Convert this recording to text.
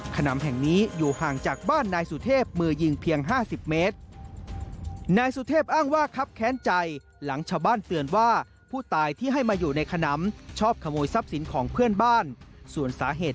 ขนำแห่งนี้อยู่ห่างจากบ้านนายสุเทพมือยิงเพียง๕๐เมตร